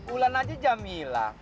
ulan aja jami lah